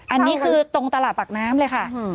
อันนี้คือตรงตลาดปากน้ำเลยค่ะ